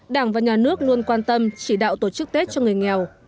đảng và nhà nước luôn quan tâm chỉ đạo tổ chức tết cho người nghèo